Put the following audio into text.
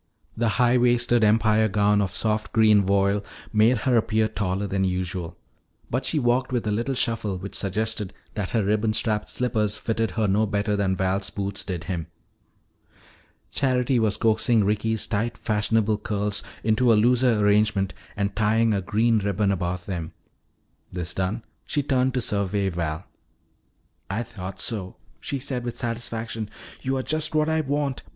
The high waisted Empire gown of soft green voile made her appear taller than usual. But she walked with a little shuffle which suggested that her ribbon strapped slippers fitted her no better than Val's boots did him. Charity was coaxing Ricky's tight fashionable curls into a looser arrangement and tying a green ribbon about them. This done, she turned to survey Val. "I thought so," she said with satisfaction. "You are just what I want.